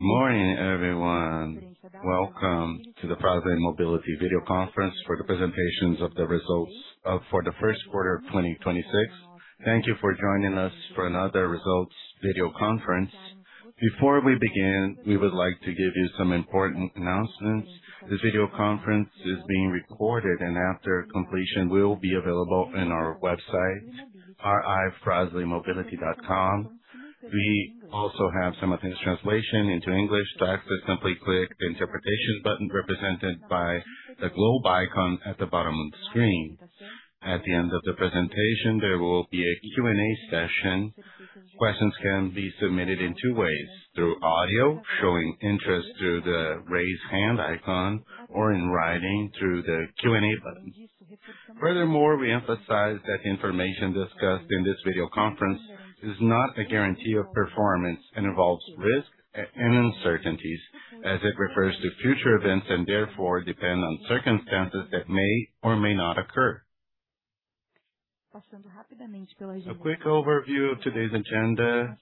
Morning, everyone. Welcome to the Fras-le Mobility Video Conference for the presentations of the results for the 1st quarter of 2026. Thank you for joining us for another results video conference. Before we begin, we would like to give you some important announcements. This video conference is being recorded and after completion will be available in our website, ri.fraslemobility.com. We also have simultaneous translation into English. To access, simply click the interpretations button represented by the globe icon at the bottom of the screen. At the end of the presentation, there will be a Q&A session. Questions can be submitted in two ways: through audio, showing interest through the raise hand icon or in writing through the Q&A button. Furthermore, we emphasize that the information discussed in this video conference is not a guarantee of performance and involves risk and uncertainties as it refers to future events and therefore depend on circumstances that may or may not occur. A quick overview of today's agenda.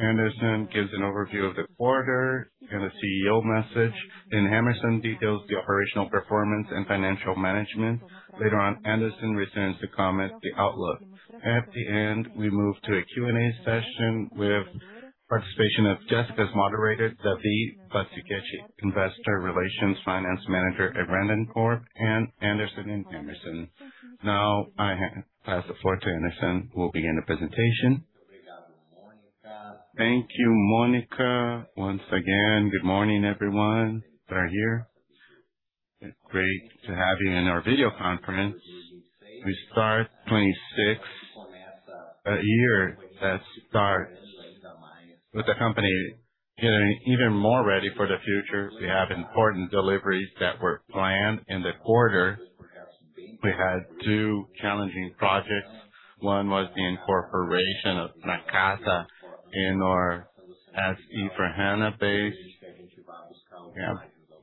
Anderson gives an overview of the quarter and a CEO message. Emerson details the operational performance and financial management. Later on, Anderson returns to comment the outlook. At the end, we move to a Q&A session with participation of Jessica as moderator, Davi Coin Bacichette, investor relations finance manager at Randoncorp, and Anderson and Emerson. I pass the floor to Anderson who will begin the presentation. Thank you, Monica. Once again, good morning, everyone that are here. It's great to have you in our video conference. We start 2026, a year that starts with the company getting even more ready for the future. We have important deliveries that were planned in the quarter. We had 2 challenging projects. One was the incorporation of Nakata in our SE Praiana base.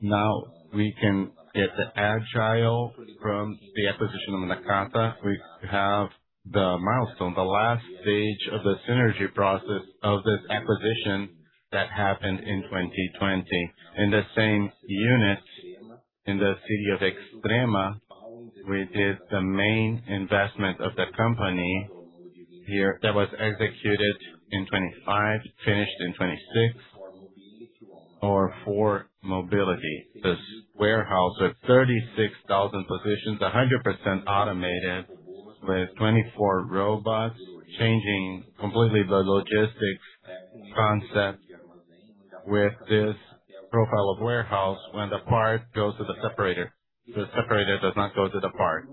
Now we can get the agile from the acquisition of Nakata. We have the milestone, the last stage of the synergy process of this acquisition that happened in 2020. In the same unit in the city of Extrema, we did the main investment of the company here that was executed in 25, finished in 26. Our four Mobility, this warehouse with 36,000 positions, 100% automated with 24 robots, changing completely the logistics concept with this profile of warehouse when the part goes to the separator. The separator does not go to the part.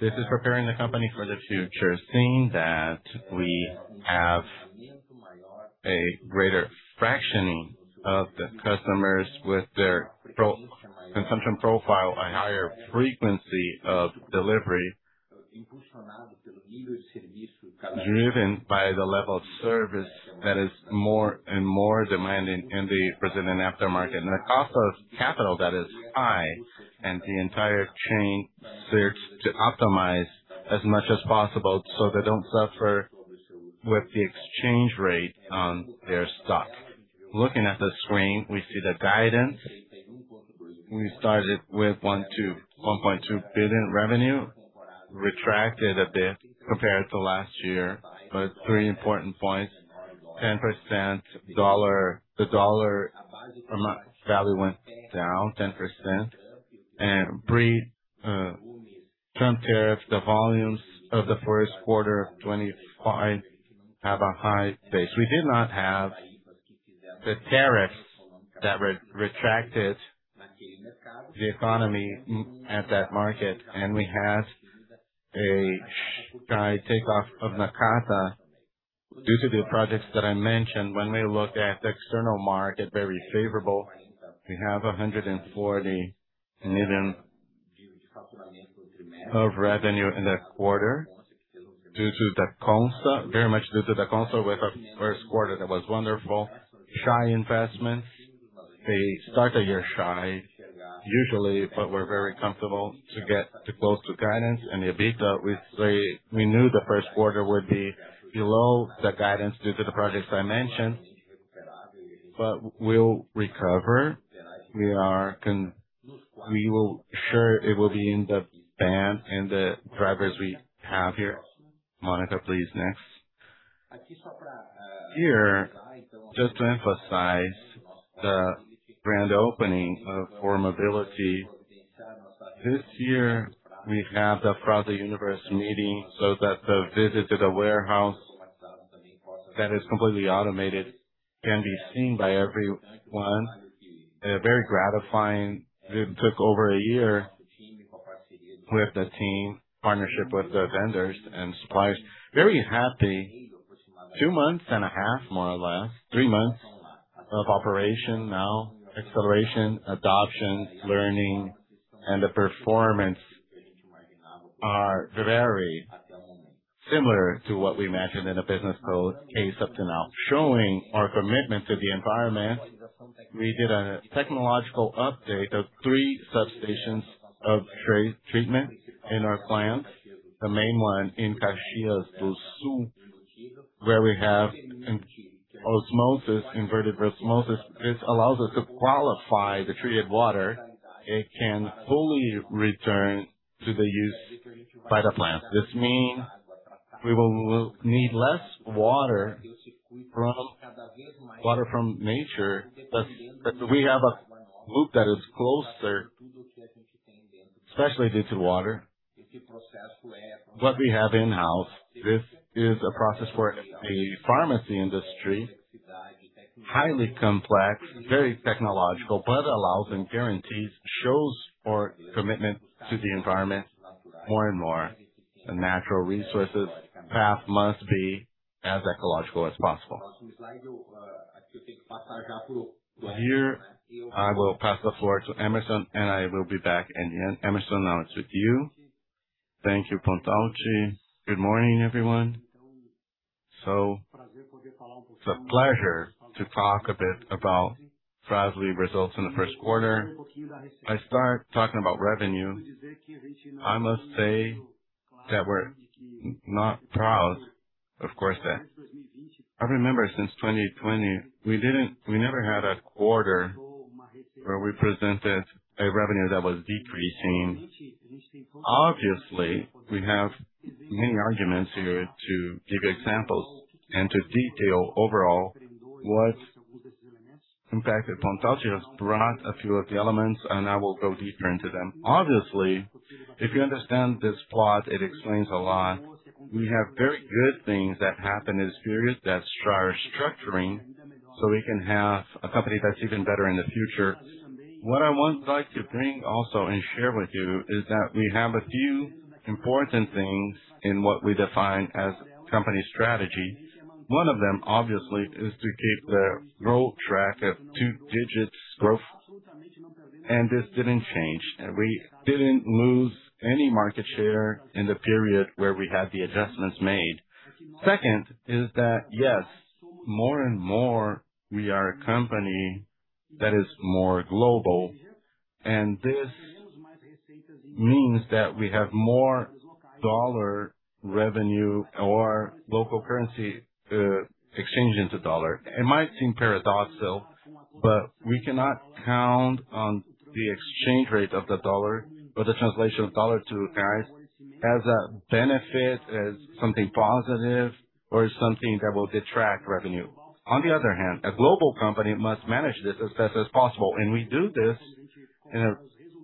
This is preparing the company for the future, seeing that we have a greater fractioning of the customers with their consumption profile, a higher frequency of delivery. Driven by the level of service that is more and more demanding in the Brazilian aftermarket. The cost of capital that is high and the entire chain search to optimize as much as possible, so they don't suffer with the exchange rate on their stock. Looking at the screen, we see the guidance. We started with 1.2 billion revenue, retracted a bit compared to last year. Three important points, the dollar value went down 10%. Pre-Trump tariffs, the volumes of the first quarter of 2025 have a high base. We did not have the tariffs that retracted the economy at that market. We had a shy take off of Nakata due to the projects that I mentioned. When we look at the external market, it was very favorable. We have 140 million of revenue in that quarter due to Dacomsa, very much due to Dacomsa with our first quarter that was wonderful. Shy investment. We start the year shy, usually. We're very comfortable to get close to guidance and EBITDA. We knew the first quarter would be below the guidance due to the projects I mentioned. We'll recover. We will sure it will be in the band and the drivers we have here. Monica, please, next. Here, just to emphasize the grand opening of 4 Mobility. This year, we have the Fras-le Universe meeting so that the visit to the warehouse that is completely automated can be seen by everyone. It took over a year with the team, partnership with the vendors and suppliers. Very happy. two months and a half, more or less, three months of operation now. Acceleration, adoption, learning, and the performance are very similar to what we imagined in a business pro-case up to now. Showing our commitment to the environment. We did a technological update of three substations of water treatment in our plant, the main one in Caxias do Sul, where we have an osmosis, reverse osmosis. This allows us to qualify the treated water. It can fully return to the use by the plant. This means we will need less water from nature. We have a loop that is closer, especially due to water. What we have in-house, this is a process for a pharmacy industry, highly complex, very technological, but allows and guarantees, shows our commitment to the environment more and more. The natural resources path must be as ecological as possible. Here, I will pass the floor to Emerson, and I will be back. Emerson, now it's with you. Thank you, Pontalti. Good morning, everyone. It's a pleasure to talk a bit about Fras-le results in the first quarter. I start talking about revenue. I must say that we're not proud, of course, that I remember since 2020, we never had a quarter where we presented a revenue that was decreasing. Obviously, we have many arguments here to give you examples and to detail overall. In fact, Anderson Pontalti has brought a few of the elements, and I will go deeper into them. Obviously, if you understand this plot, it explains a lot. We have very good things that happen in this period that are structuring, so we can have a company that is even better in the future. What I would like to bring also and share with you is that we have a few important things in what we define as company strategy. One of them, obviously, is to keep the growth track of two digits growth. This didn't change. We didn't lose any market share in the period where we had the adjustments made. Second is that, yes, more and more we are a company that is more global, and this means that we have more dollar revenue or local currency exchanged into dollar. It might seem paradoxical, we cannot count on the exchange rate of the dollar or the translation of dollar to reais as a benefit, as something positive or something that will detract revenue. On the other hand, a global company must manage this as best as possible, we do this in a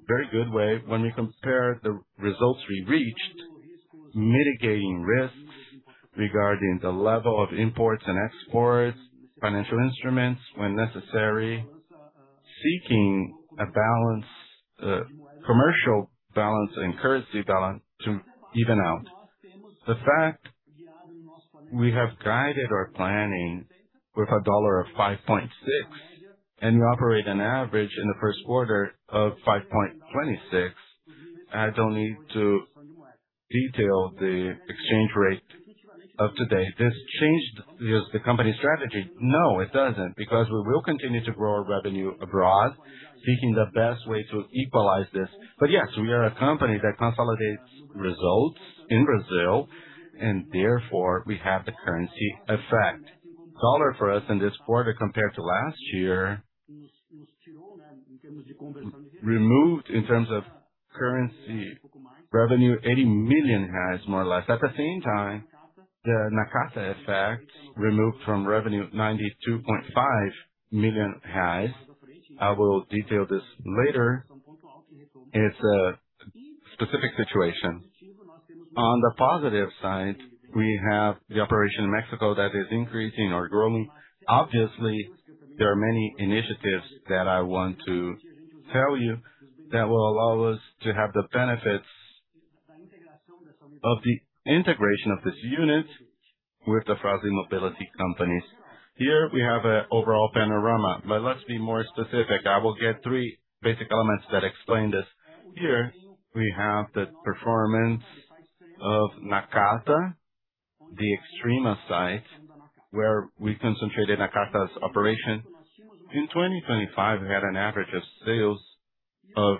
very good way when we compare the results we reached, mitigating risks regarding the level of imports and exports, financial instruments when necessary, seeking a balance, commercial balance and currency balance to even out. The fact we have guided our planning with a dollar of 5.6, we operate an average in the first quarter of 5.26. I don't need to detail the exchange rate of today. This changed the company strategy. No, it doesn't, because we will continue to grow our revenue abroad, seeking the best way to equalize this. Yes, we are a company that consolidates results in Brazil, and therefore we have the currency effect. Dollar for us in this quarter compared to last year, removed in terms of currency revenue, 80 million reais, more or less. At the same time, the Nakata effect removed from revenue of 92.5 million reais. I will detail this later. It's a specific situation. On the positive side, we have the operation in Mexico that is increasing or growing. Obviously, there are many initiatives that I want to tell you that will allow us to have the benefits of the integration of this unit with the Frasle Mobility companies. Here we have an overall panorama. Let's be more specific. I will get three basic elements that explain this. Here we have the performance of Nakata, the Extrema site, where we concentrated Nakata's operation. In 2025, we had an average of sales of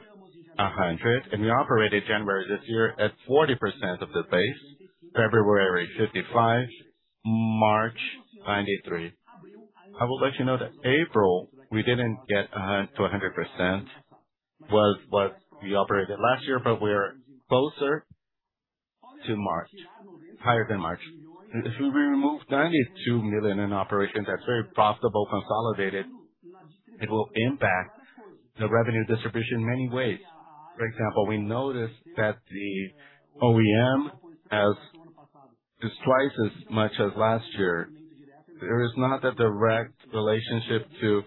100, and we operated January this year at 40% of the base. February, 55%. March, 93%. I would like you to know that April, we didn't get to 100%, was what we operated last year, but we are closer to March, higher than March. If we remove 92 million in operation, that's very profitable, consolidated, it will impact the revenue distribution in many ways. For example, we noticed that the OEM has just twice as much as last year. There is not a direct relationship to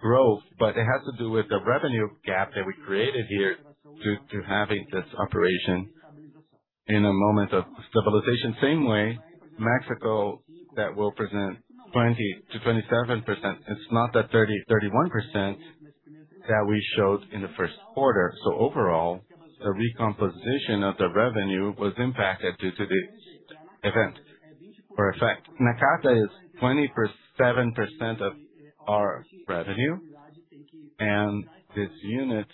growth, but it has to do with the revenue gap that we created here due to having this operation in a moment of stabilization. Same way, Mexico that will present 20%-27%. It's not that 30%, 31% that we showed in the first quarter. Overall, the recomposition of the revenue was impacted due to the event. For a fact, Nakata is 27% of our revenue, and this unit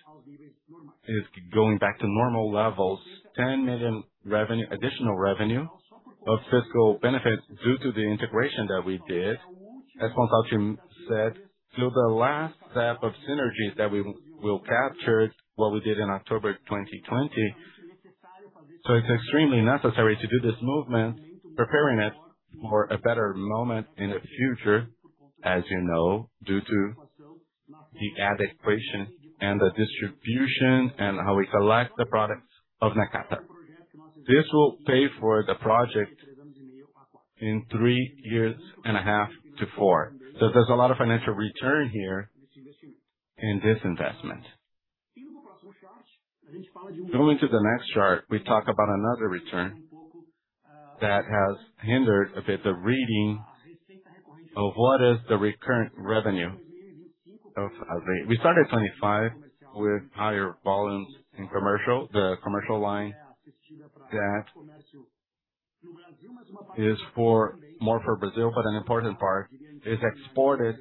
is going back to normal levels. 10 million revenue, additional revenue of fiscal benefits due to the integration that we did. As Francisco said, through the last step of synergies that we'll capture what we did in October 2020. It's extremely necessary to do this movement, preparing it for a better moment in the future, as you know, due to the adequation and the distribution and how we collect the products of Nakata. This will pay for the project in three and a half to four years. There's a lot of financial return here in this investment. Going to the next chart, we talk about another return that has hindered a bit the reading of what is the recurrent revenue. We started 2025 with higher volumes in commercial. The commercial line that is more for Brazil, but an important part is exported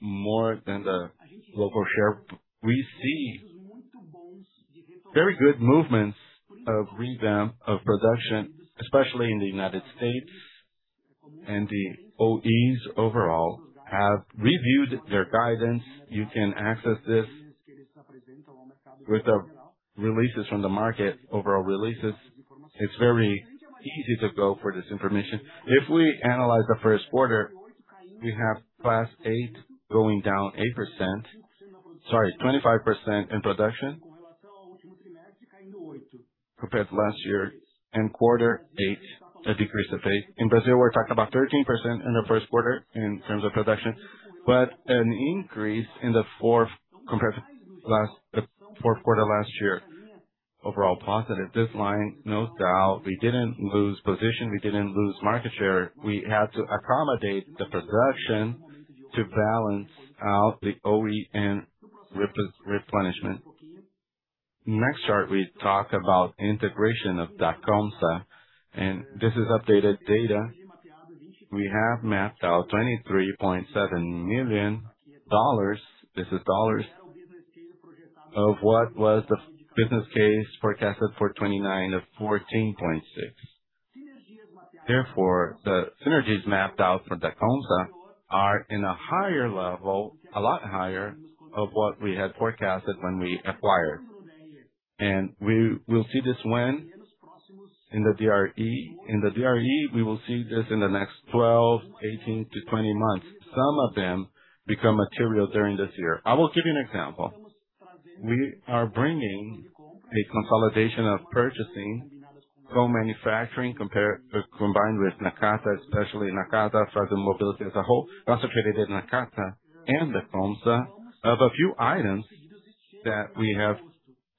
more than the local share. We see very good movements of revamp of production, especially in the U.S. The OEs overall have reviewed their guidance. You can access this with the releases from the market, overall releases. It's very easy to go for this information. If we analyze the first quarter, we have Class 8 going down 8%. Sorry, 25% in production compared to last year in quarter eight, a decrease of eight. In Brazil, we're talking about 13% in the first quarter in terms of production, but an increase in the 4th compared to last 4th quarter last year. Overall positive. This line, no doubt, we didn't lose position, we didn't lose market share. We had to accommodate the production to balance out the OEM replenishment. Next chart, we talk about integration of Dacomsa. This is updated data. We have mapped out $23.7 million. This is dollars of what was the business case forecasted for 2029 of $14.6 million. Therefore, the synergies mapped out for Dacomsa are in a higher level, a lot higher of what we had forecasted when we acquired. We will see this when? In the DRE. In the DRE, we will see this in the next 12, 18-20 months. Some of them become material during this year. I will give you an example. We are bringing a consolidation of purchasing co-manufacturing combined with Nakata, especially Nakata, Frasle Mobility as a whole. Also traded in Nakata and Dacomsa of a few items that we have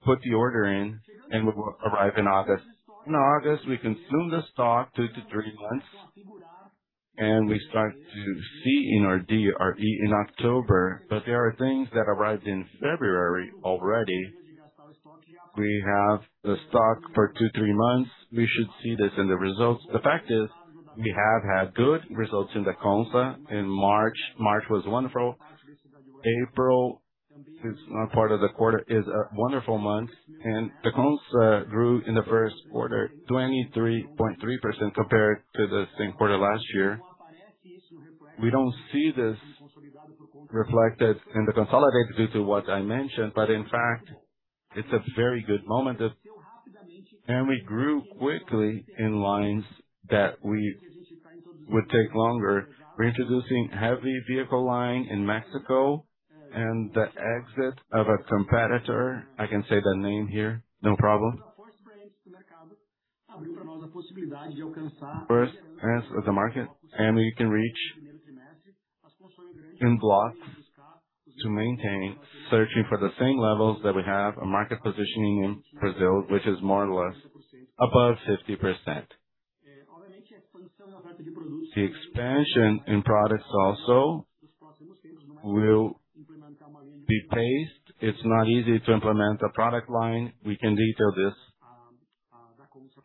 put the order in and will arrive in August. In August, we consume the stock 2-3 months, and we start to see in our DRE in October. There are things that arrived in February already. We have the stock for 2-3 months. We should see this in the results. The fact is, we have had good results in Dacomsa in March. March was wonderful. April is not part of the quarter, is a wonderful month, and Dacomsa grew in the first quarter, 23.3% compared to the same quarter last year. We don't see this reflected in the consolidates due to what I mentioned, but in fact, it's a very good moment of. We grew quickly in lines that we would take longer. We're introducing heavy vehicle line in Mexico and the exit of a competitor. I can say the name here, no problem. First, as a market, and we can reach in blocks to maintain searching for the same levels that we have a market positioning in Brazil, which is more or less above 50%. The expansion in products also will be paced. It's not easy to implement a product line. We can detail this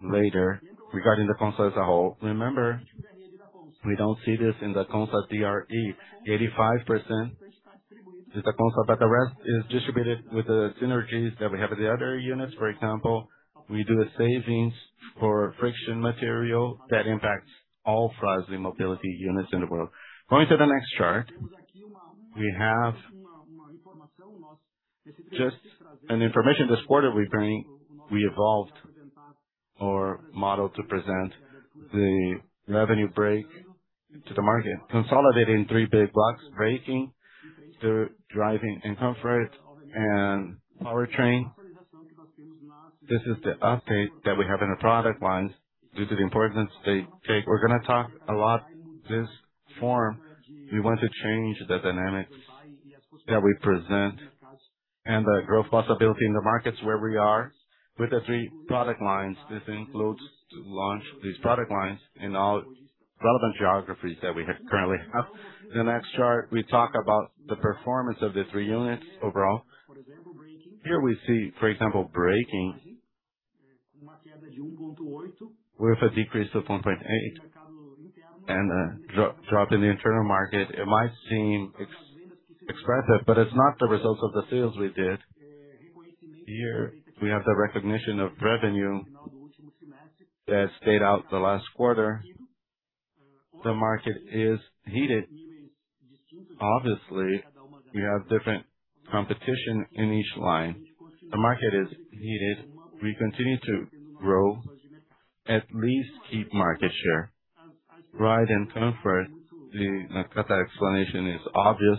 later. Regarding Dacomsa as a whole, remember, we don't see this in Dacomsa DRE. 85% is Dacomsa, but the rest is distributed with the synergies that we have in the other units. For example, we do a savings for friction material that impacts all Frasle Mobility units in the world. Going to the next chart, we have just an information this quarter we evolved our model to present the revenue break to the market, consolidating three big blocks: braking, the driving and comfort, and powertrain. This is the update that we have in the product lines due to the importance they take. We're gonna talk a lot this forum. We want to change the dynamics that we present and the growth possibility in the markets where we are with the three product lines. This includes to launch these product lines in all relevant geographies that we have, currently have. The next chart, we talk about the performance of the three units overall. Here we see, for example, braking with a decrease of 0.28 and a drop in the internal market. It might seem expressive, but it's not the results of the sales we did. Here we have the recognition of revenue that stayed out the last quarter. The market is heated. Obviously, we have different competition in each line. The market is heated. We continue to grow. At least keep market share. Ride and Comfort, the Nakata explanation is obvious.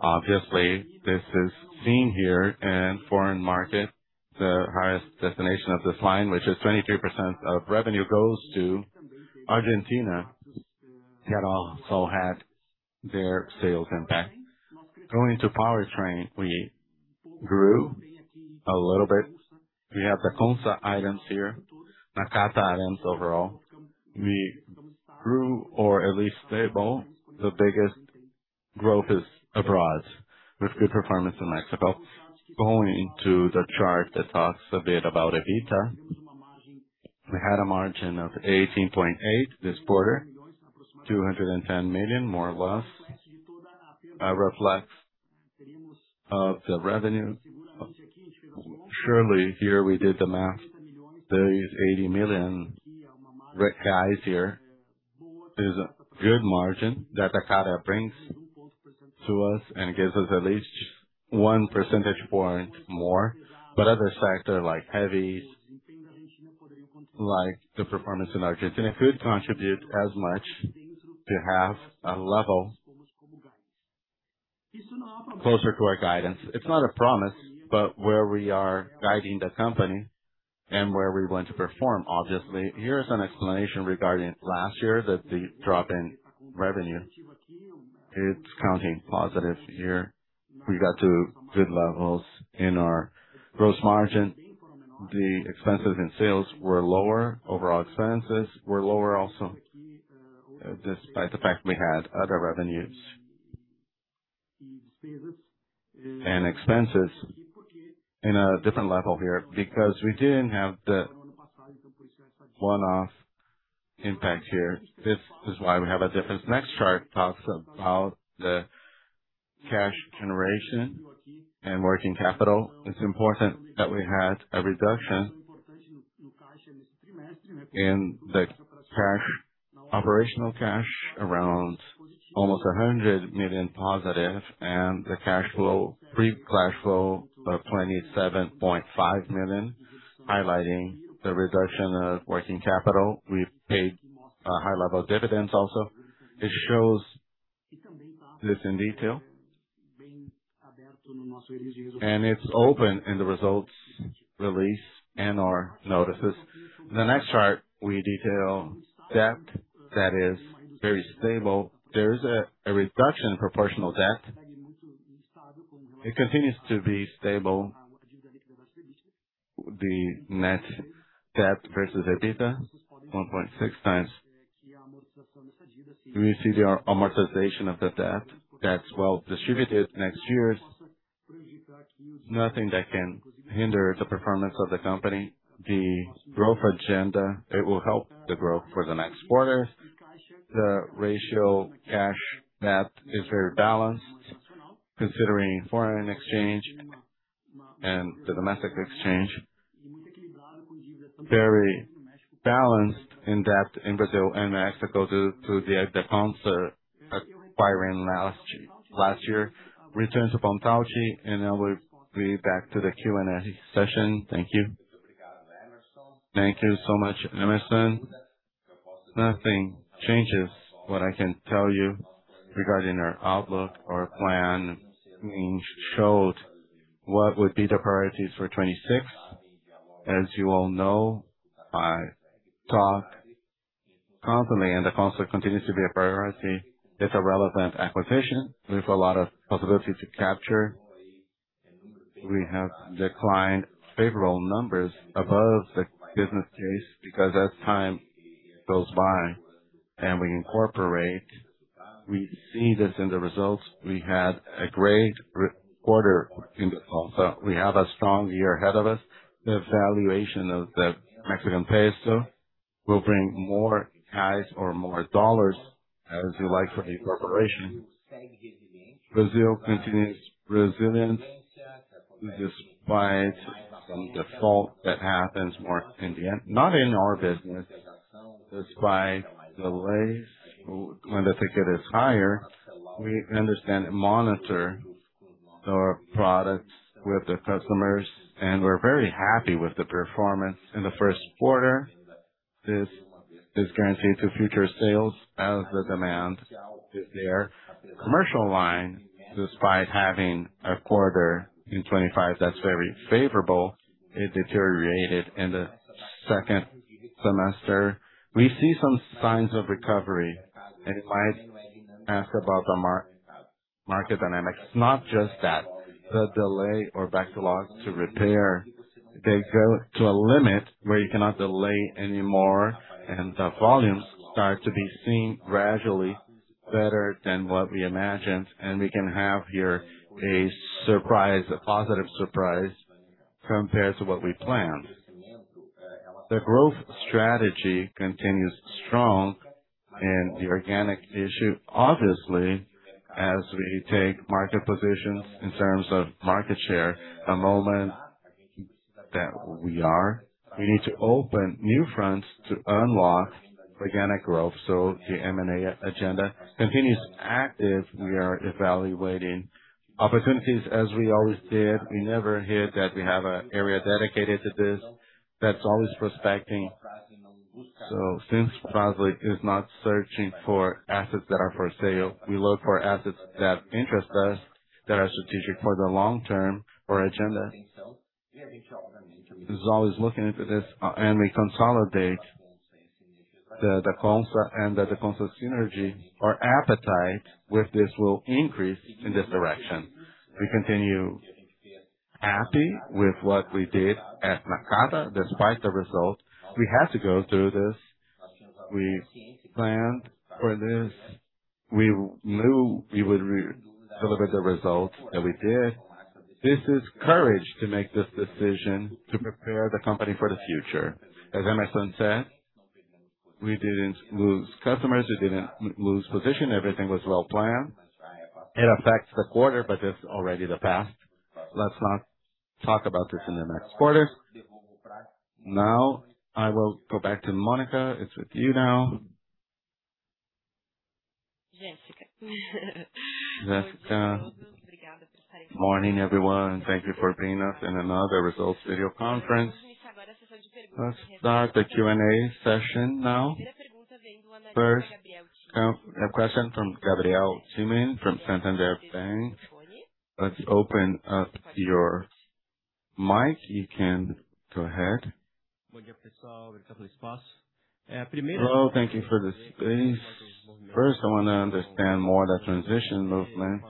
Obviously, this is seen here in foreign market, the highest destination of this line, which is 23% of revenue goes to Argentina, that also had their sales impact. Going to powertrain, we grew a little bit. We have the in-house items here, Nakata items overall. We grew or at least stable. The biggest growth is abroad, with good performance in Mexico. Going to the chart that talks a bit about EBITDA. We had a margin of 18.8% this quarter, 210 million, more or less, a reflex of the revenue. Surely, here we did the math. There is 80 million, guys here, is a good margin that Nakata brings to us and gives us at least one percentage point more. Other factor like heavies, like the performance in Argentina could contribute as much to have a level closer to our guidance. It's not a promise, but where we are guiding the company and where we want to perform, obviously. Here is an explanation regarding last year that the drop in revenue, it's counting positive here. We got to good levels in our gross margin. The expenses in sales were lower. Overall expenses were lower also, despite the fact we had other revenues and expenses in a different level here because we didn't have the one-off impact here. This is why we have a difference. The next chart talks about the cash generation and working capital. It's important that we had a reduction in the operational cash around almost 100 million positive and the cash flow, free cash flow of 27.5 million, highlighting the reduction of working capital. We paid a high level of dividends also. It shows this in detail and it's open in the results release and/or notices. The next chart, we detail debt that is very stable. There is a reduction in proportional debt. It continues to be stable. The net debt versus EBITDA, 1.6x. We see the amortization of the debt. That's well distributed next years. Nothing that can hinder the performance of the company. The growth agenda, it will help the growth for the next quarters. The ratio cash net is very balanced considering foreign exchange and the domestic exchange. Very balanced in debt in Brazil and Mexico due to the in-house acquiring last year. Return to Anderson Pontalti, and I will be back to the Q&A session. Thank you. Thank you so much, Emerson. Nothing changes what I can tell you regarding our outlook, our plan. We showed what would be the priorities for 2026. As you all know, I talk constantly, and the Dacomsa continues to be a priority. It's a relevant acquisition with a lot of possibility to capture. We have declined favorable numbers above the business case because as time goes by and we incorporate, we see this in the results. We had a great quarter in the consolidated. We have a strong year ahead of us. The valuation of the Mexican peso will bring more cash or more dollars, as you like, for the corporation. Brazil continues resilience despite some default that happens more in the end, not in our business, despite delays when the ticket is higher. We understand and monitor our products with the customers, and we're very happy with the performance in the first quarter. This is guaranteed to future sales as the demand is there. Commercial line, despite having a quarter in 25 that's very favorable, it deteriorated in the second semester. We see some signs of recovery. You might ask about the market dynamics. It's not just that. The delay or backlog to repair, they go to a limit where you cannot delay anymore and the volumes start to be seen gradually. Better than what we imagined, and we can have here a surprise, a positive surprise compared to what we planned. The growth strategy continues strong and the organic issue, obviously, as we take market positions in terms of market share, the moment that we are, we need to open new fronts to unlock organic growth. The M&A agenda continues active. We are evaluating opportunities as we always did. We never hid that we have an area dedicated to this that's always prospecting. Since Braskem is not searching for assets that are for sale, we look for assets that interest us, that are strategic for the long term, our agenda. This is always looking into this and we consolidate the concept and the concept synergy. Our appetite with this will increase in this direction. We continue happy with what we did at Nakata. Despite the result, we had to go through this. We planned for this. We knew we would re-deliver the results that we did. This is courage to make this decision to prepare the company for the future. As Emerson said, we didn't lose customers, we didn't lose position. Everything was well planned. It affects the quarter, but it's already the past. Let's not talk about this in the next quarter. Now I will go back to Monica. It's with you now. Jessica. Morning, everyone. Thank you for being us in another results video conference. Let's start the Q&A session now. First, a question from Gabriel Simoes from Santander Bank. Let's open up your mic. You can go ahead. Well, thank you for the space. First, I wanna understand more the transition movement,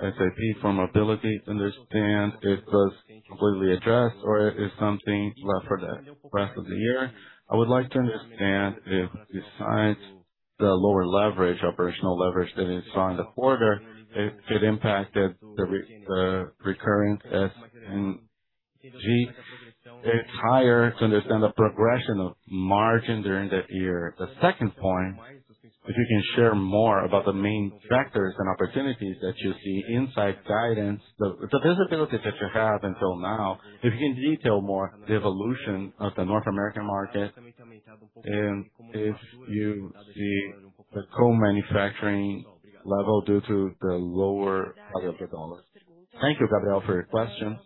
SAP from mobility. Understand it was completely addressed or it is something left for the rest of the year. I would like to understand if besides the lower leverage, operational leverage that is on the quarter, it impacted the recurring SG&A. It's higher to understand the progression of margin during that year. The second point, if you can share more about the main factors and opportunities that you see inside guidance, the visibility that you have until now, if you can detail more the evolution of the North American market and if you see the co-manufacturing level due to the lower value of the dollar. Thank you, Gabriel, for your question.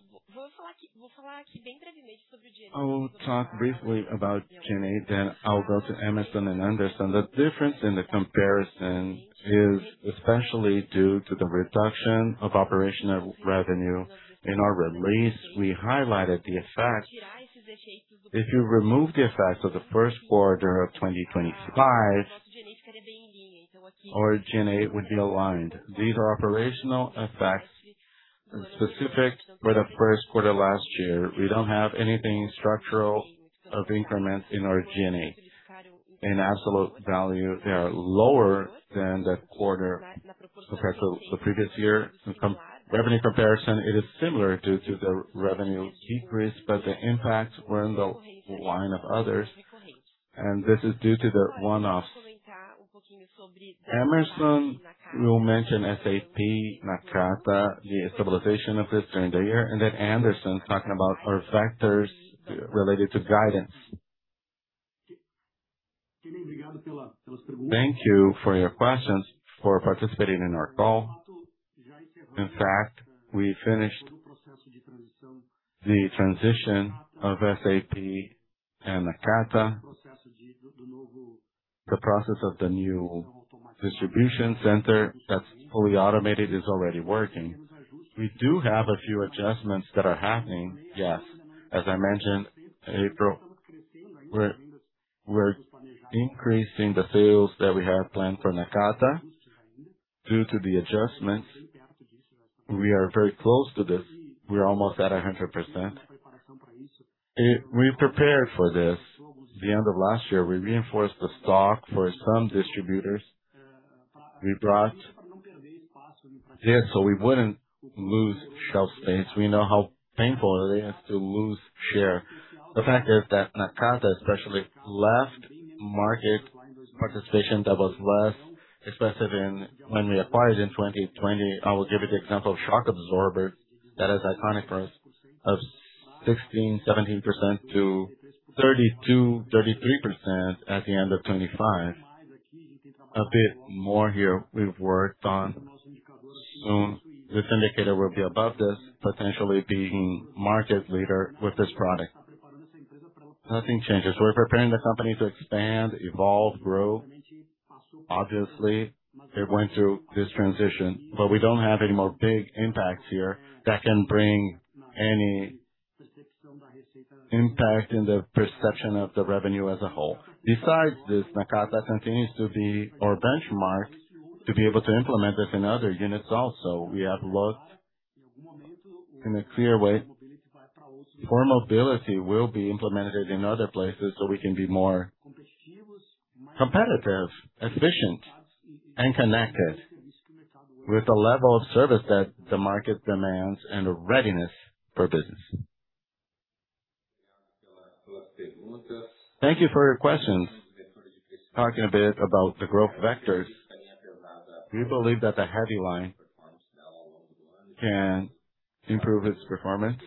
I'll talk briefly about G&A, then I'll go to Emerson and Anderson. The difference in the comparison is especially due to the reduction of operational revenue. In our release, we highlighted the effect. If you remove the effects of the first quarter of 2025, our G&A would be aligned. These are operational effects specific for the first quarter last year. We don't have anything structural of increments in our G&A. In absolute value, they are lower than the quarter compared to the previous year. In revenue comparison, it is similar due to the revenue decrease, the impacts were in the line of others, this is due to the one-off. Emerson will mention SAP Nakata, the stabilization of this during the year, Anderson talking about our factors related to guidance. Thank you for your questions, for participating in our call. We finished the transition of SAP and Nakata. The process of the new distribution center that's fully automated is already working. We do have a few adjustments that are happening, yes. As I mentioned, April, we're increasing the sales that we have planned for Nakata due to the adjustments. We are very close to this. We're almost at 100%. We prepared for this. The end of last year, we reinforced the stock for some distributors. We brought this so we wouldn't lose shelf space. We know how painful it is to lose share. The fact is that Nakata especially left market participation that was less expressive when we acquired in 2020. I will give you the example of shock absorbers that is iconic for us of 16%-17% to 32%-33% at the end of 2025. A bit more here we've worked on. Soon, this indicator will be above this, potentially being market leader with this product. Nothing changes. We're preparing the company to expand, evolve, grow. Obviously, it went through this transition. We don't have any more big impacts here that can bring any impact in the perception of the revenue as a whole. Besides this, Nakata continues to be our benchmark to be able to implement this in other units also. We have looked in a clear way, for mobility will be implemented in other places so we can be more competitive, efficient, and connected with the level of service that the market demands and a readiness for business. Thank you for your questions. Talking a bit about the growth vectors, we believe that the heavy line can improve its performance.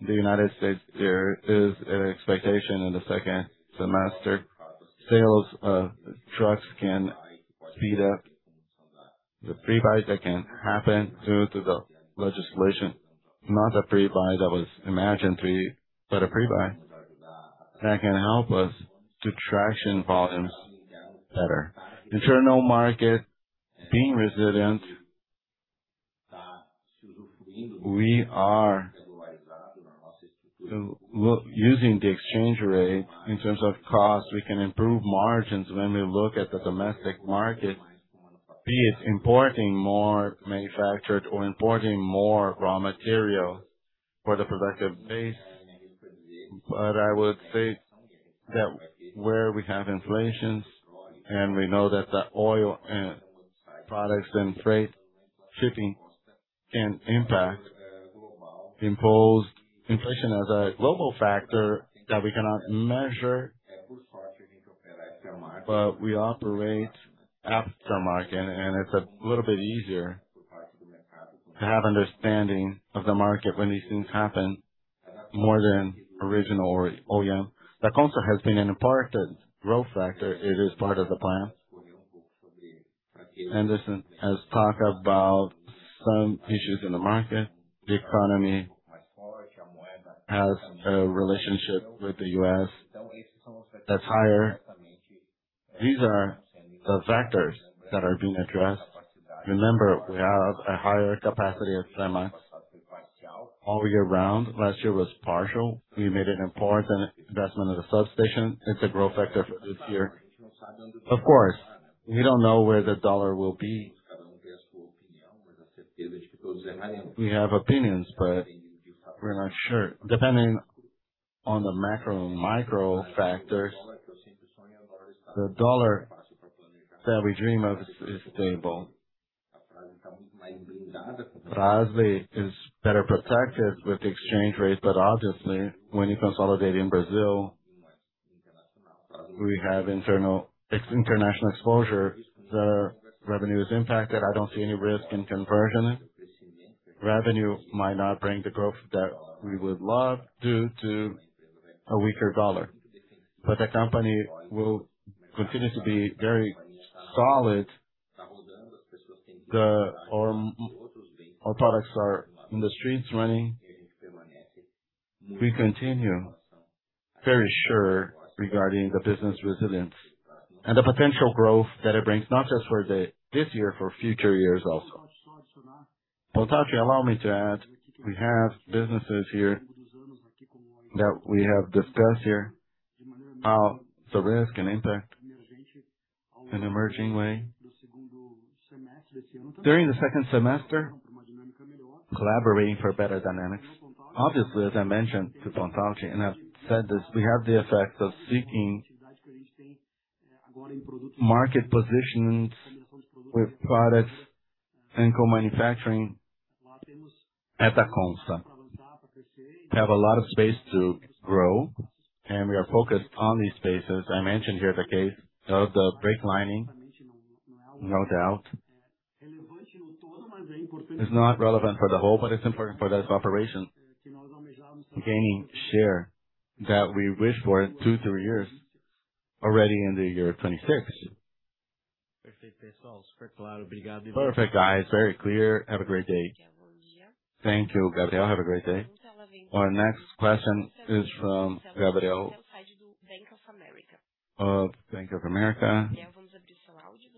The U.S., there is an expectation in the second semester. Sales of trucks can speed up the pre-buys that can happen due to the legislation. Not a pre-buy that was imagined free, but a pre-buy that can help us to traction volumes better. Internal market being resilient. We are using the exchange rate in terms of cost. We can improve margins when we look at the domestic market, be it importing more manufactured or importing more raw material for the productive base. I would say that where we have inflations and we know that the oil and products and freight shipping can impact, impose inflation as a global factor that we cannot measure. We operate aftermarket, and it's a little bit easier to have understanding of the market when these things happen more than original or OEM. That also has been an important growth factor. It is part of the plan. Anderson has talked about some issues in the market. The economy has a relationship with the U.S. that's higher. These are the factors that are being addressed. Remember, we have a higher capacity at Extrema all year round. Last year was partial. We made an important investment at a substation. It's a growth factor for this year. Of course, we don't know where the dollar will be. We have opinions, but we're not sure. Depending on the macro and micro factors, the U.S. dollar that we dream of is stable. Fras-le is better protected with the exchange rates. Obviously, when you consolidate in Brazil, we have international exposure. The revenue is impacted. I don't see any risk in conversion. Revenue might not bring the growth that we would love due to a weaker U.S. dollar. The company will continue to be very solid. Our products are in the streets running. We continue very sure regarding the business resilience and the potential growth that it brings, not just for this year, for future years also. Pontalti, allow me to add. We have businesses here that we have discussed here, how the risk can impact in emerging way. During the second semester, collaborating for better dynamics. Obviously, as I mentioned to Anderson Pontalti, and I've said this, we have the effect of seeking market positions with products and co-manufacturing at Dacomsa. We have a lot of space to grow, and we are focused on these spaces. I mentioned here the case of the brake lining, no doubt. It's not relevant for the whole, but it's important for this operation. Gaining share that we wish for two, three years already into year 26. Perfect, guys. Very clear. Have a great day. Thank you, Gabriel Simoes. Have a great day. Our next question is from Gabriel Simoes of Bank of America.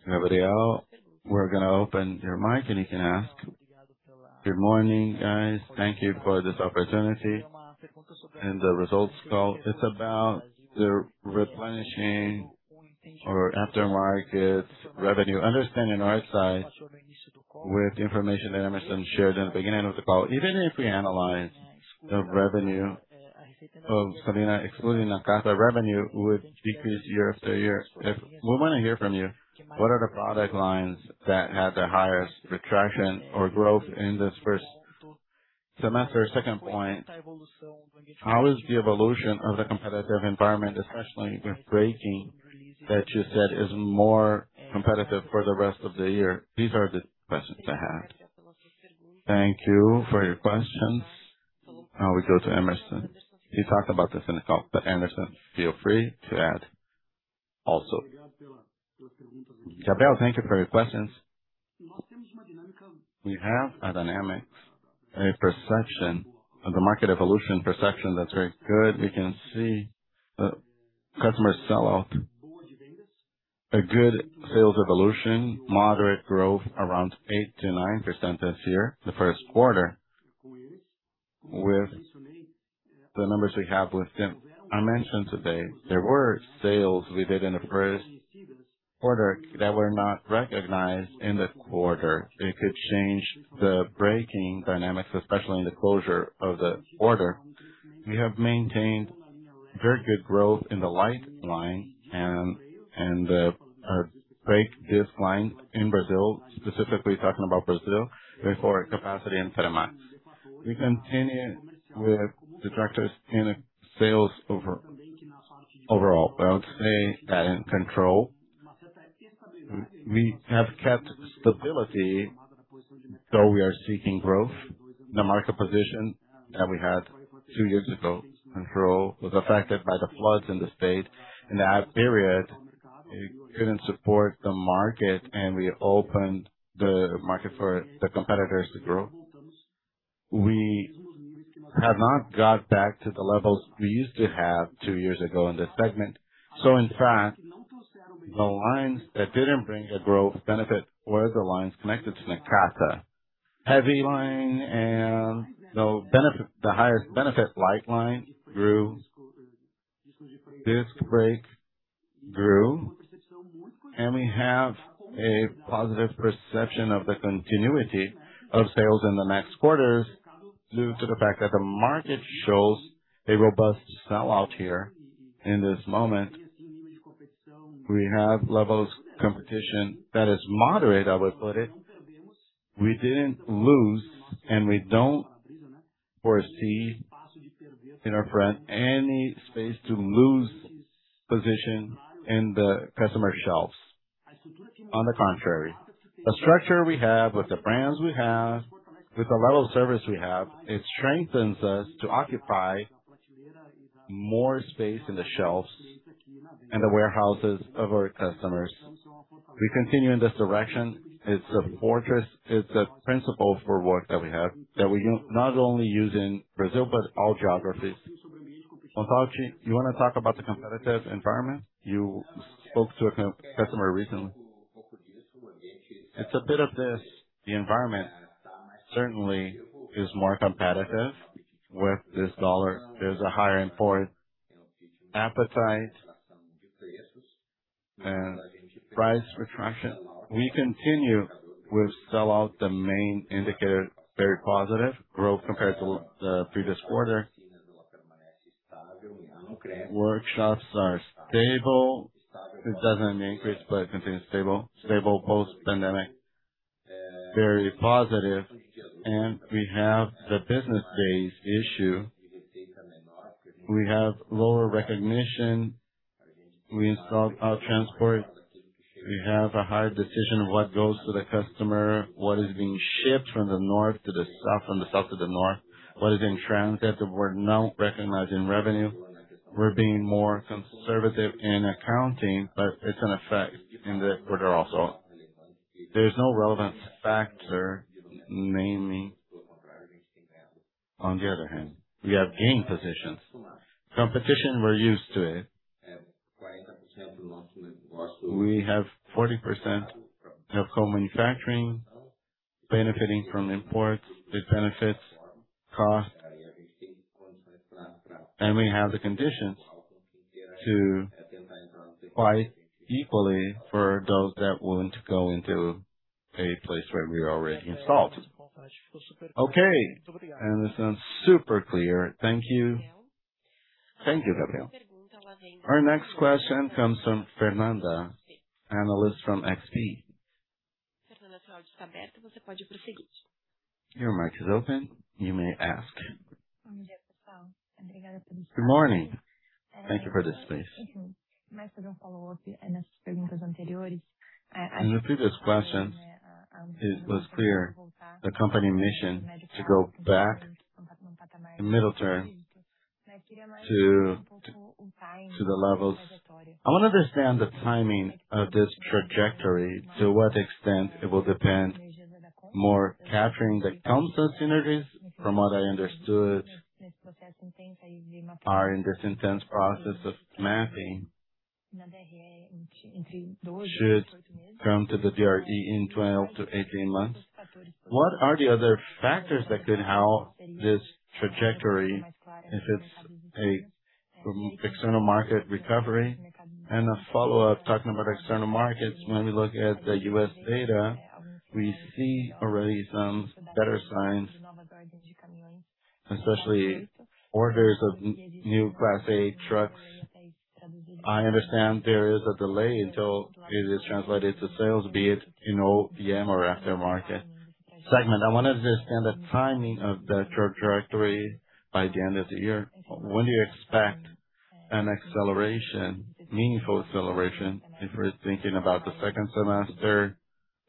Gabriel Simoes, we're gonna open your mic, and you can ask. Good morning, guys. Thank you for this opportunity in the results call. It's about the replenishing or aftermarket revenue. Understanding our side with information that Emerson shared in the beginning of the call. Even if we analyze the revenue of Sabina, excluding Nakata, revenue would decrease year-over-year. We wanna hear from you, what are the product lines that had the highest retraction or growth in this first semester? Second point, how is the evolution of the competitive environment, especially with braking, that you said is more competitive for the rest of the year? These are the questions I had. Thank you for your questions. We go to Emerson. He talked about this in the call. Anderson, feel free to add also. Gabriel, thank you for your questions. We have a dynamics, a perception of the market evolution perception that's very good. We can see the customers sell out. A good sales evolution, moderate growth around 8%-9% this year, the first quarter, with the numbers we have within. I mentioned today there were sales we did in the first order that were not recognized in the quarter. It could change the braking dynamics, especially in the closure of the order. We have maintained very good growth in the light line and the brake disc line in Brazil, specifically talking about Brazil before capacity in Fremax. We continue with the tractors in sales overall. I would say that in control, we have kept stability, though we are seeking growth. The market position that we had two years ago, control was affected by the floods in the state. In that period, it couldn't support the market, and we opened the market for the competitors to grow. We have not got back to the levels we used to have two years ago in this segment. In fact, the lines that didn't bring a growth benefit were the lines connected to Nakata. Heavy line the benefit, the highest benefit light line grew. Disc brake grew. We have a positive perception of the continuity of sales in the next quarters due to the fact that the market shows a robust sellout here. In this moment, we have levels of competition that is moderate, I would put it. We didn't lose, and we don't foresee in our front any space to lose position in the customer shelves. On the contrary, the structure we have with the brands we have, with the level of service we have, it strengthens us to occupy more space in the shelves and the warehouses of our customers. We continue in this direction. It's a fortress. It's a principle for work that we have, that we not only use in Brazil, but all geographies. Pontalti, you wanna talk about the competitive environment? You spoke to a customer recently. It's a bit of this. The environment certainly is more competitive with this dollar. There's a higher import appetite and price retraction. We continue with sell out the main indicator, very positive growth compared to the previous quarter. Workshops are stable. It doesn't increase, but it continues stable. Stable post pandemic. Very positive. And we have the business days issue. We have lower recognition. We install our transport. We have a higher decision of what goes to the customer, what is being shipped from the north to the south, from the south to the north. What is in transit that we're not recognizing revenue. We're being more conservative in accounting, but it's an effect in the quarter also. There's no relevant factor, mainly. On the other hand, we have gained position. Competition, we're used to it. We have 40% of co-manufacturing benefiting from imports. It benefits cost. We have the conditions to fight equally for those that want to go into a place where we are already installed. Okay. This sounds super clear. Thank you. Thank you, Gabriel. Our next question comes from Fernanda, analyst from XP. Your mic is open. You may ask. Good morning. Thank you for this space. In the previous question, it was clear the company mission to go back in middle term to the levels. I wanna understand the timing of this trajectory, to what extent it will depend more capturing the Dacomsa synergies. From what I understood are in this intense process of mapping. They should come to the DRE in 12-18 months. What are the other factors that could help this trajectory, if it's a external market recovery? A follow-up, talking about external markets. When we look at the U.S. data, we see already some better signs, especially orders of new Class eight trucks. I understand there is a delay until it is translated to sales, be it in OEM or aftermarket segment. I want to understand the timing of the trajectory by the end of the year. When do you expect an acceleration, meaningful acceleration, if we're thinking about the second semester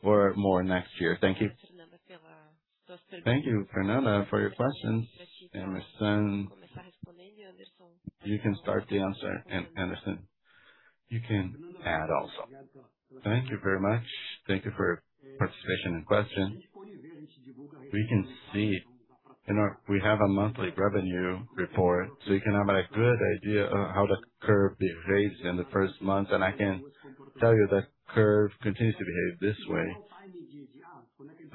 or more next year? Thank you. Thank you, Fernanda, for your questions. Anderson, you can start the answer. Anderson, you can add also. Thank you very much. Thank you for your participation and question. We have a monthly revenue report, so you can have a good idea of how the curve behaves in the first month, and I can tell you the curve continues to behave this way.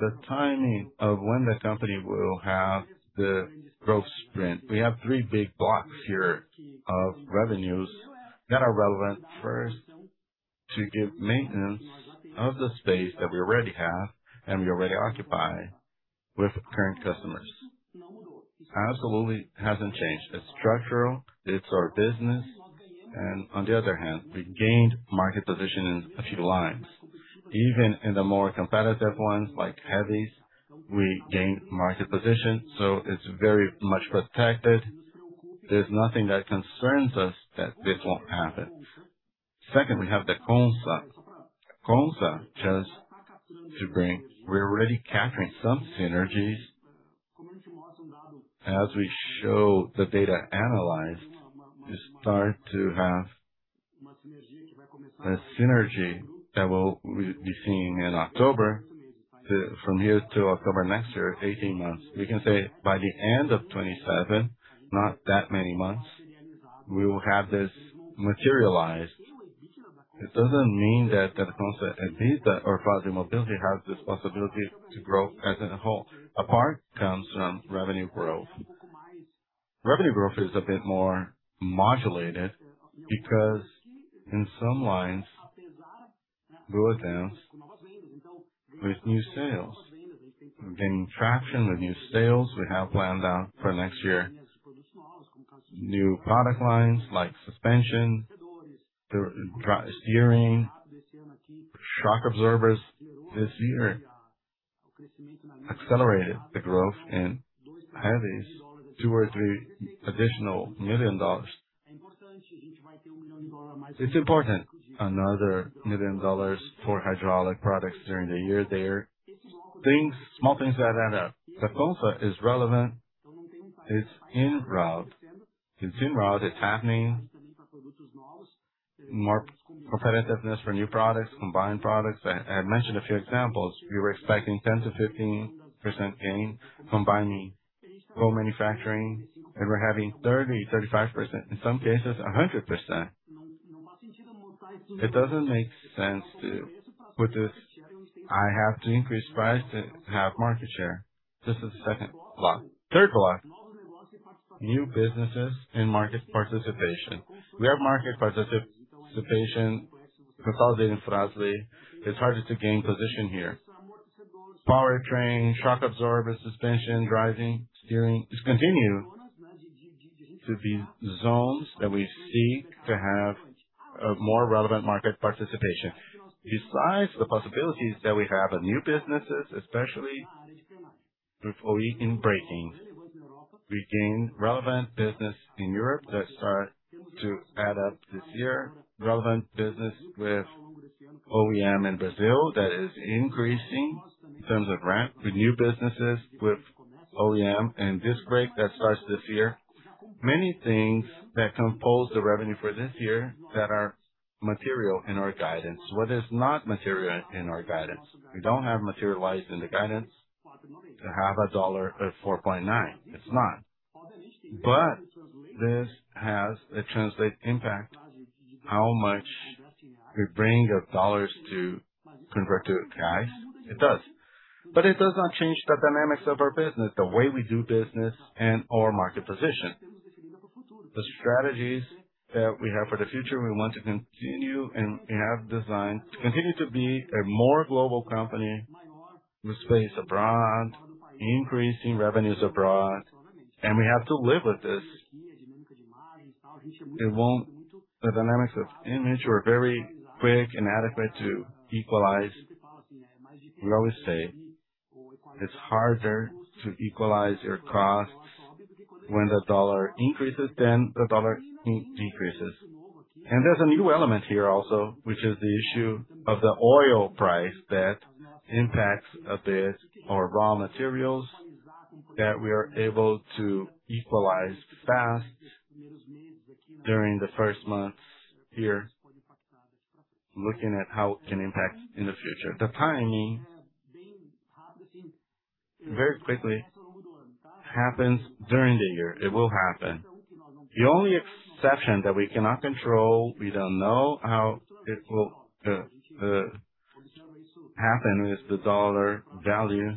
The timing of when the company will have the growth sprint. We have three big blocks here of revenues that are relevant. First, to give maintenance of the space that we already have and we already occupy with current customers. Absolutely hasn't changed. It's structural, it's our business. On the other hand, we gained market position in a few lines. Even in the more competitive ones like heavies, we gained market position, so it's very much protected. There's nothing that concerns us that this won't happen. Second, we have the Dacomsa. Dacomsa, we're already capturing some synergies. As we show the data analyzed, you start to have a synergy that we'll be seeing in October from here to October next year, 18 months. We can say by the end of 2027, not that many months, we will have this materialized. It doesn't mean that Dacomsa and Visa or Frasle Mobility has this possibility to grow as a whole. A part comes from revenue growth. Revenue growth is a bit more modulated because in some lines go down with new sales. We're gaining traction with new sales. We have planned out for next year new product lines like suspension, steering, shock absorbers this year accelerated the growth in heavies, $2 million-$3 million additional dollars. It's important, another $1 million for hydraulic products during the year there. Things, small things add up. The Consa is relevant. It's en route. It's en route, it's happening. More competitiveness for new products, combined products. I mentioned a few examples. We were expecting 10%-15% gain combining co-manufacturing, and we're having 30%-35%, in some cases 100%. It doesn't make sense. With this, I have to increase price to have market share. This is the second block. Third block, new businesses and market participation. We have market participation consolidating Fras-le. It's harder to gain position here. Powertrain, shock absorber, suspension, driving, steering, just continue to be zones that we seek to have a more relevant market participation. Besides the possibilities that we have with new businesses, especially with OE in braking. We gain relevant business in Europe that start to add up this year. Relevant business with OEM in Brazil that is increasing in terms of ramp with new businesses, with OEM and disc brake that starts this year. Many things that compose the revenue for this year that are material in our guidance. What is not material in our guidance? We don't have materialized in the guidance to have a USD at 4.9. It's not. This has a translate impact, how much we bring our USD to convert to BRL. It does. It does not change the dynamics of our business, the way we do business and our market position. The strategies that we have for the future, we want to continue and we have designed to continue to be a more global company with space abroad, increasing revenues abroad, and we have to live with this. The dynamics of exchange were very quick and adequate to equalize. We always say it's harder to equalize your cost when the USD increases than the USD decreases. There's a new element here also, which is the issue of the oil price that impacts a bit our raw materials that we are able to equalize fast during the first months here, looking at how it can impact in the future. The timing, very quickly, happens during the year. It will happen. The only exception that we cannot control, we don't know how it will happen, is the dollar value.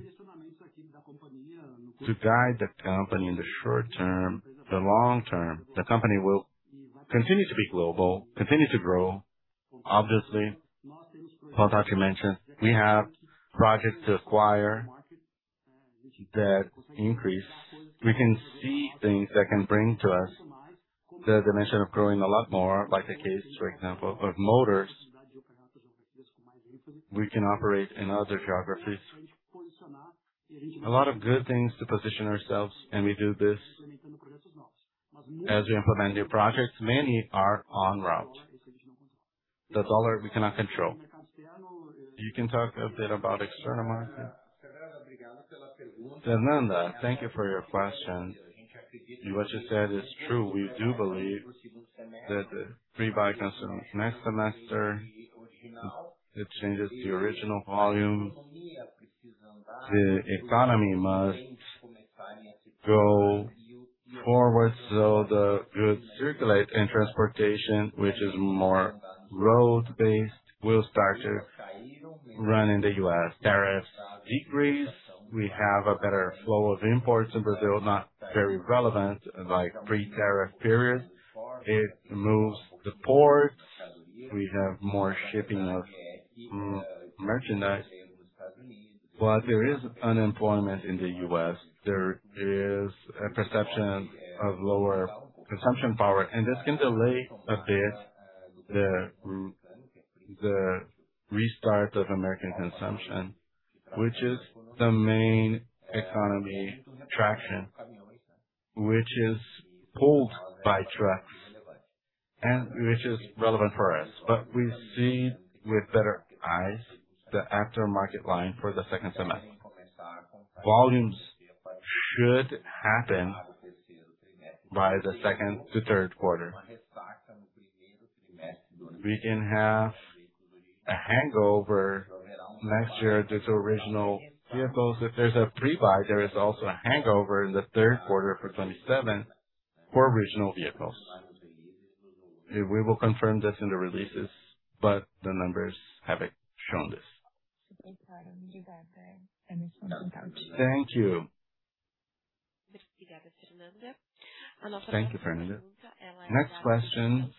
To guide the company in the short term, the long term, the company will continue to be global, continue to grow. Obviously, Anderson Pontalti mentioned, we have projects to acquire that increase. We can see things that can bring to us the dimension of growing a lot more, like the case, for example, of motors. We can operate in other geographies. A lot of good things to position ourselves. We do this as we implement new projects. Many are en route. The dollar, we cannot control. You can talk a bit about external market. DeNanda, thank you for your question. What you said is true. We do believe that the pre-buy comes in next semester. It changes the original volume. The economy must go forward so the goods circulate. Transportation, which is more road-based, will start to run in the U.S. Tariffs decrease. We have a better flow of imports in Brazil, not very relevant like pre-tariff period. It moves the port. We have more shipping of merchandise. There is unemployment in the U.S. There is a perception of lower consumption power, and this can delay a bit the restart of American consumption, which is the main economy traction, which is pulled by trucks and which is relevant for us. We see with better eyes the aftermarket line for the 2nd semester. Volumes should happen by the 2nd to 3rd quarter. We can have a hangover next year due to original vehicles. If there's a pre-buy, there is also a hangover in the 3rd quarter for 2027 for original vehicles. We will confirm this in the releases, but the numbers haven't shown this. Thank you. Thank you, Fernanda. Next question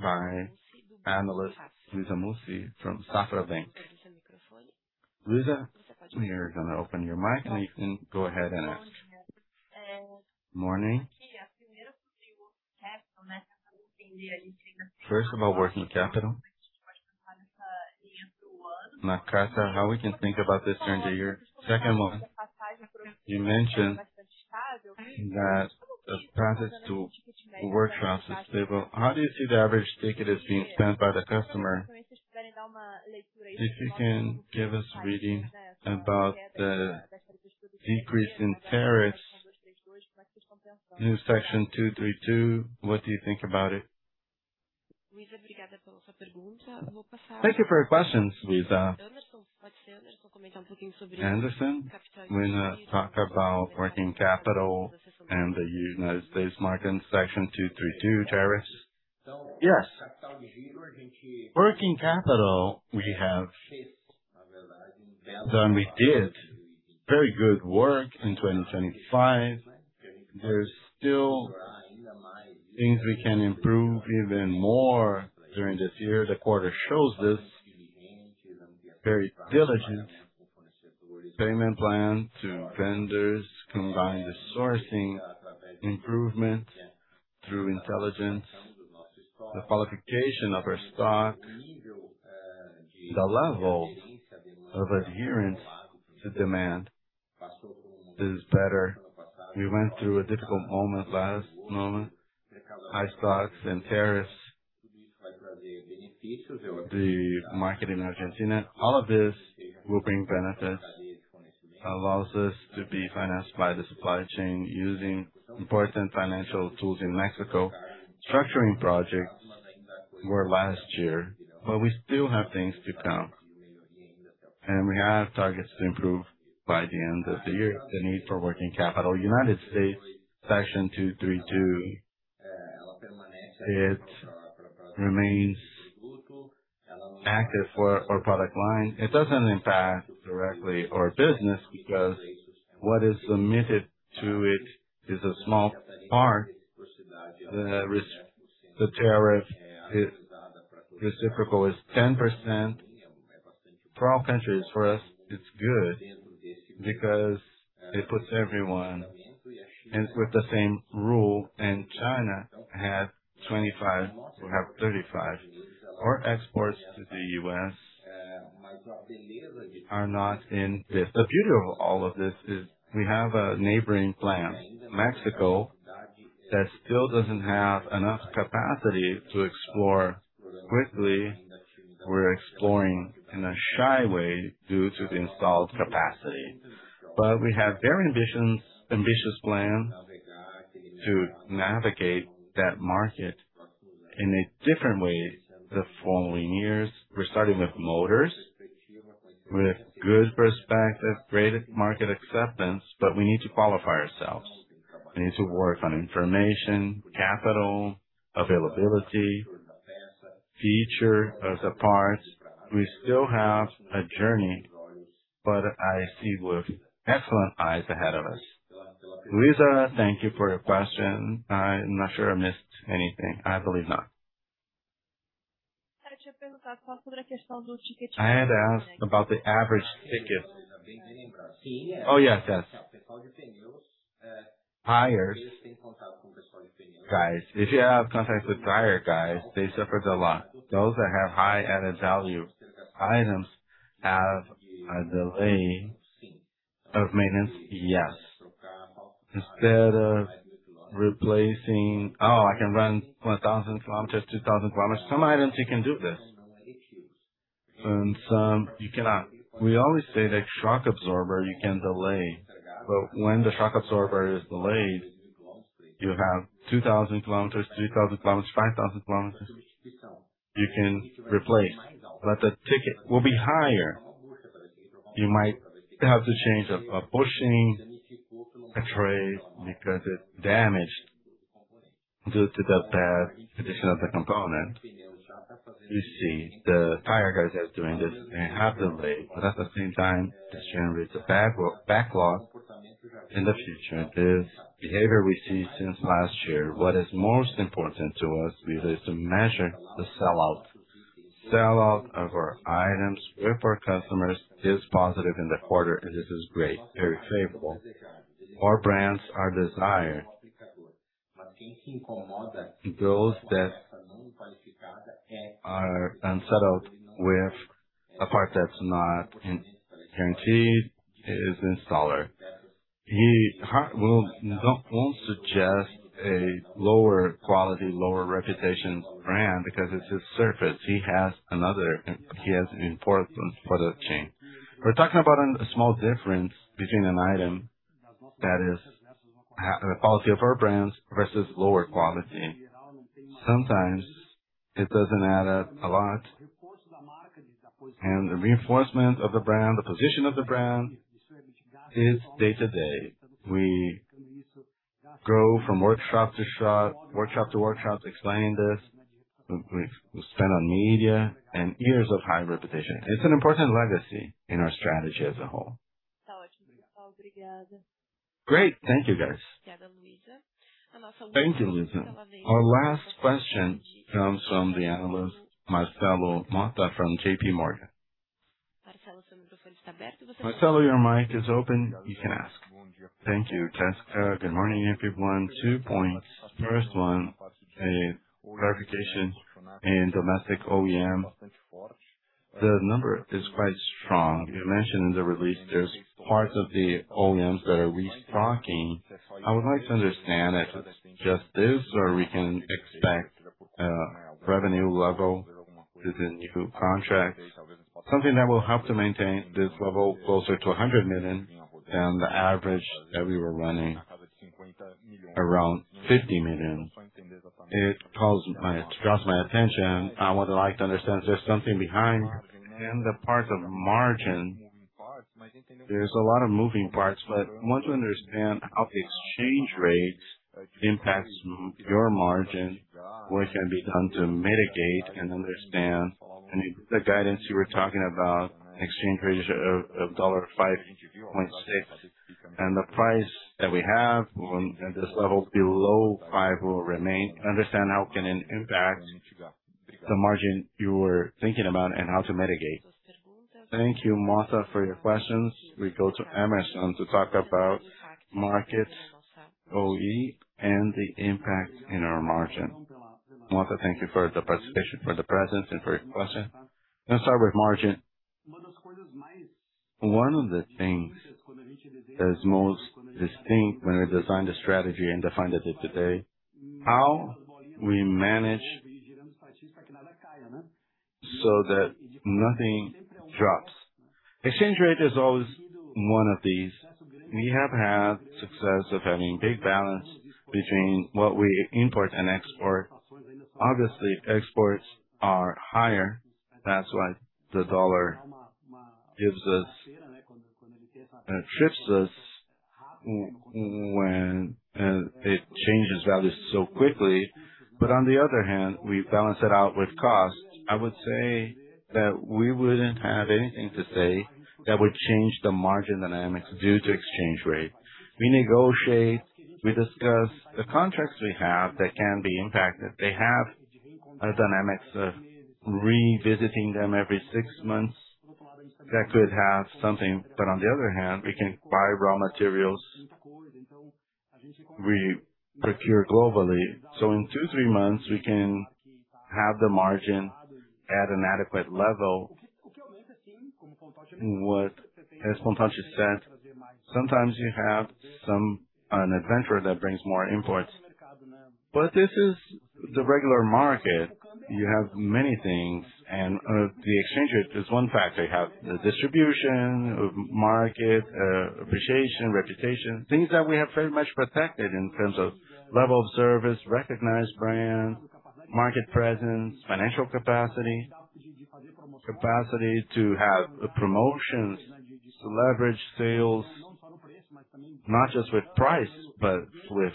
by analyst Luiza Mussi from Banco Safra. Luisa, we are gonna open your mic, and you can go ahead and ask. Morning. First, about working capital. Nakata, how we can think about this during the year? Second one, you mentioned that the passage to work trucks is stable. How do you see the average ticket as being spent by the customer? If you can give us reading about the decrease in tariffs in Section 232, what do you think about it? Thank you for your questions, Luiza Mussi. Anderson, wanna talk about working capital and the U.S. market and Section 232 tariffs? Yes. We did very good work in 2025. There are still things we can improve even more during this year. The quarter shows this. Very diligent payment plan to vendors, combined with sourcing improvement through intelligence, the qualification of our stock, the level of adherence to demand is better. We went through a difficult moment last moment. High stocks and tariffs. The market in Argentina. All of this will bring benefits, allows us to be financed by the supply chain using important financial tools in Mexico. Structuring projects were last year, but we still have things to come. We have targets to improve by the end of the year. The need for working capital. U.S., Section 232, it remains active for our product line. It doesn't impact directly our business because what is submitted to it is a small part. The tariff is reciprocal, is 10% for all countries. For us, it's good because it puts everyone in with the same rule. China had 25, will have 35. Our exports to the U.S. are not in this. The beauty of all of this is we have a neighboring plant, Mexico, that still doesn't have enough capacity to explore quickly. We're exploring in a shy way due to the installed capacity. We have very ambitious plan to navigate that market in a different way the following years. We're starting with motors, with good perspective, great market acceptance, but we need to qualify ourselves. We need to work on information, capital availability, future of the parts. We still have a journey, but I see with excellent eyes ahead of us. Luiza, thank you for your question. I'm not sure I missed anything. I believe not. I had asked about the average ticket. Oh, yes. Tires. Guys, if you have contact with tire guys, they suffered a lot. Those that have high added value items have a delay of maintenance. Yes. Instead of replacing, "Oh, I can run 1,000 kilometers, 2,000 kilometers," some items you can do this, and some you cannot. We always say that shock absorber you can delay, but when the shock absorber is delayed you have 2,000 kilometers, 3,000 kilometers, 5,000 kilometers, you can replace. The ticket will be higher. You might have to change a bushing, a tray because it's damaged due to the bad condition of the component. You see the tire guys are doing this and happily, but at the same time, this generates a backlog in the future. This behavior we see since last year. What is most important to us really is to measure the sellout. Sellout of our items with our customers is positive in the quarter. This is great, very favorable. Our brands are desired. Those that are unsettled with a part that's not guaranteed is installer. He won't suggest a lower quality, lower reputation brand because it's his surface. He has another he has importance for the chain. We're talking about a small difference between an item that is the quality of our brands versus lower quality. Sometimes it doesn't add up a lot. The reinforcement of the brand, the position of the brand is day-to-day. We go from workshop to shop, workshop to workshop explaining this. We spend on media and years of high repetition. It's an important legacy in our strategy as a whole. Great. Thank you, guys. Thank you, Luiza. Our last question comes from the analyst Marcelo Motta from JPMorgan. Marcelo, your mic is open. You can ask. Thank you. Good morning, everyone. Two points. First one, a clarification in domestic OEM. The number is quite strong. You mentioned in the release there's parts of the OEMs that are restocking. I would like to understand if it's just this or we can expect revenue level with the new contracts, something that will help to maintain this level closer to 100 million than the average that we were running around 50 million. It draws my attention. I would like to understand if there's something behind. The part of margin, there's a lot of moving parts, but I want to understand how the exchange rates impacts your margin, what can be done to mitigate and understand. In the guidance you were talking about exchange rates of dollar 5.6 and the price that we have at this level below BRL five will remain. Understand how it can impact the margin you were thinking about and how to mitigate. Thank you, Motta, for your questions. We go to Emerson to talk about market OE and the impact in our margin. Motta, thank you for the participation, for the presence, and for your question. Let's start with margin. One of the things that is most distinct when we designed the strategy and defined the day-to-day, how we manage so that nothing drops. Exchange rate is always one of these. We have had success of having big balance between what we import and export. Exports are higher. That's why the dollar gives us trips us when it changes values so quickly. On the other hand, we balance it out with cost. I would say that we wouldn't have anything to say that would change the margin dynamics due to exchange rate. We negotiate, we discuss the contracts we have that can be impacted. They have a dynamics of revisiting them every six months. That could have something. On the other hand, we can buy raw materials we procure globally. In two, three months, we can have the margin at an adequate level. As Anderson Pontalti said, sometimes you have some, an adventure that brings more imports. This is the regular market. You have many things and the exchange rate is one factor. You have the distribution, market appreciation, reputation, things that we have very much protected in terms of level of service, recognized brand, market presence, financial capacity to have promotions to leverage sales, not just with price, but with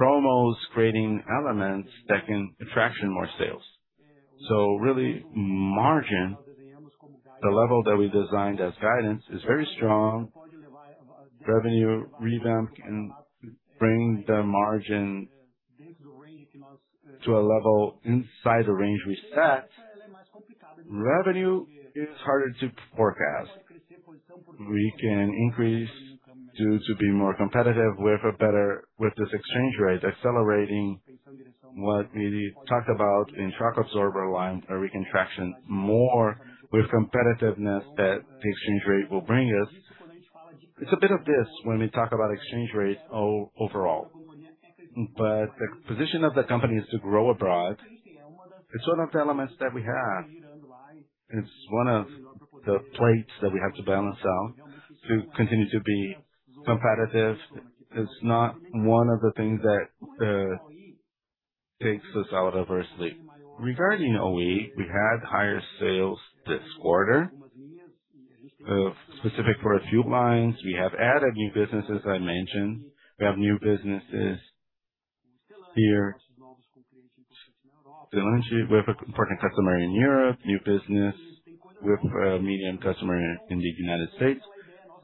promos, creating elements that can attract more sales. Really margin, the level that we designed as guidance is very strong. Revenue revamp can bring the margin to a level inside the range we set. Revenue is harder to forecast. We can increase due to being more competitive with this exchange rate, accelerating what we talked about in shock absorber line, where we can attract more with competitiveness that the exchange rate will bring us. It's a bit of this when we talk about exchange rates overall. The position of the company is to grow abroad. It's one of the elements that we have. It's one of the plates that we have to balance out to continue to be competitive. It's not one of the things that takes us out of our sleep. Regarding OE, we had higher sales this quarter, specific for a few lines. We have added new businesses, as I mentioned. We have new businesses here. Stellantis, we have a important customer in Europe, new business with a medium customer in the U.S.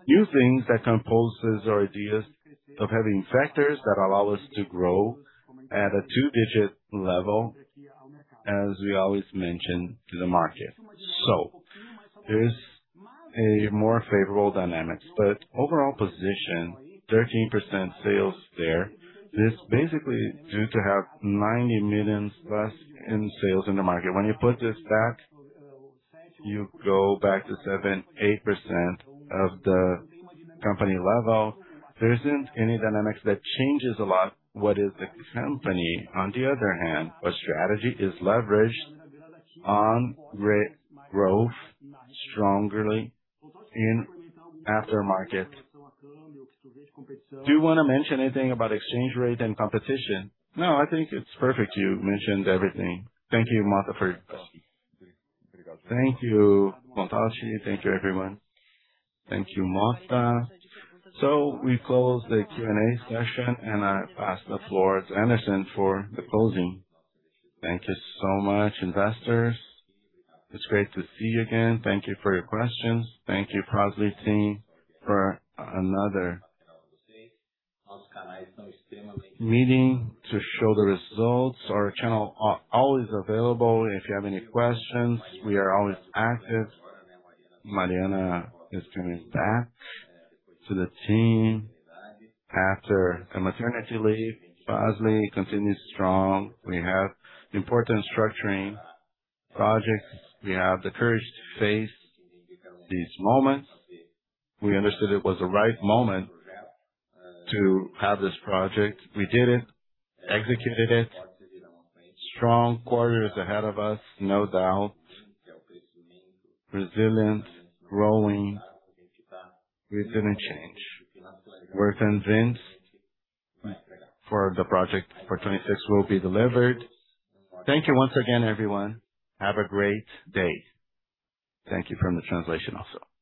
New things that composes our ideas of having factors that allow us to grow at a two digit level, as we always mention to the market. There's a more favorable dynamics. Overall position, 13% sales there is basically due to have 90 million less in sales in the market. When you put this back, you go back to 7%, 8% of the company level. There isn't any dynamics that changes a lot what is the company. On the other hand, our strategy is leveraged on re- growth strongly in aftermarket. Do you wanna mention anything about exchange rate and competition? No, I think it's perfect. You mentioned everything. Thank you, Marcelo Motta, for it. Thank you, Anderson Pontalti. Thank you, everyone. Thank you, Marcelo Motta. We close the Q&A session, and I pass the floor to Anderson for the closing. Thank you so much, investors. It's great to see you again. Thank you for your questions. Thank you, Fras-le team, for another meeting to show the results. Our channel are always available. If you have any questions, we are always active. Mariana is coming back to the team after a maternity leave. Fras-le continues strong. We have important structuring projects. We have the courage to face these moments. We understood it was the right moment to have this project. We did it, executed it. Strong quarters ahead of us, no doubt. Resilient, growing. We didn't change. We're convinced for the project for 26 will be delivered. Thank you once again, everyone. Have a great day. Thank you from the translation also.